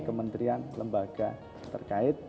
kementerian lembaga terkait